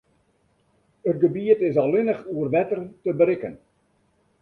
It gebiet is allinnich oer wetter te berikken.